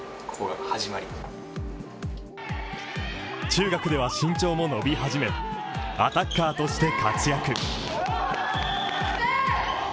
中学では身長も伸び始めアタッカーとして活躍。